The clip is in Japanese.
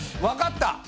わかった！